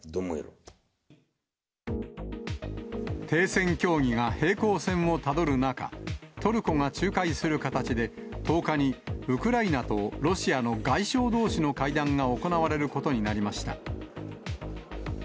停戦協議が平行線をたどる中、トルコが仲介する形で、１０日にウクライナとロシアの外相どうしの会談が行われることになりました。